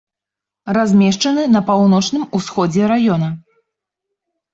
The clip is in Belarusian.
Размешчаны на паўночным усходзе раёна.